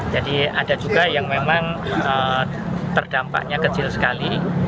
jadi ada juga yang memang terdampaknya kecil sekali